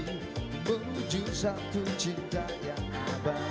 semujuk satu cinta yang abadi